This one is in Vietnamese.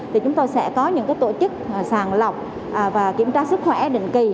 thì chúng tôi sẽ có những tổ chức sàng lọc và kiểm tra sức khỏe định kỳ